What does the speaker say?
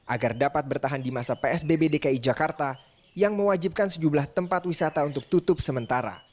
agar dapat bertahan di masa psbb dki jakarta yang mewajibkan sejumlah tempat wisata untuk tutup sementara